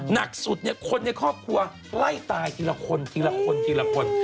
หนักสุดเนี่ยคนในครอบครัวไล่ตายทีละคนทีละคนทีละคน